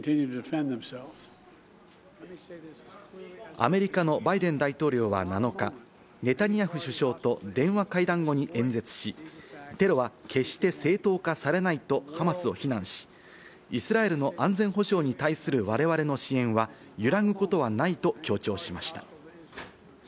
アメリカのバイデン大統領は７日、ネタニヤフ首相と電話会談後に演説し、テロは決して正当化されないとハマスを非難し、イスラエルの安全保障に対する我々の支援は揺らぐことはないと強調しました。